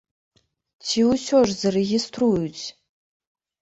Ці ўсё ж зарэгіструюць?